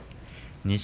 錦